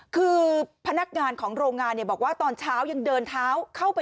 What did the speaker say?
คือพนักงานของโรงงานเนี่ยบอกว่าตอนเช้ายังเดินเท้า